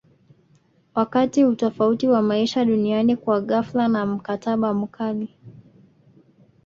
wakati utofauti wa maisha duniani kwa ghafla na mkataba mkali